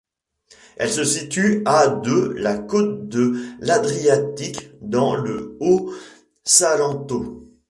Elle se situe à de la côte de l'Adriatique dans le Haut-Salento.